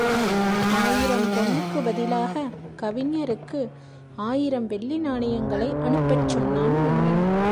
ஆயிரம் பொன்னுக்குப் பதிலாகக் கவிஞருக்கு ஆயிரம் வெள்ளி நாணயங்களை அனுப்பச் சொன்னான் மன்னன்.